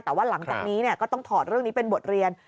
แต่ว่าหลังจากนี้ก็ต้องถอดเรื่องนี้เป็นบทเรียน